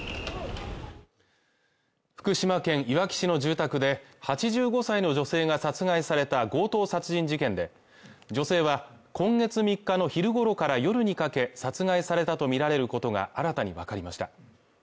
福島県いわき市の住宅で８５歳の女性が殺害された強盗殺人事件で女性は今月３日の昼ごろから夜にかけ殺害されたとみられることが新たに分かりました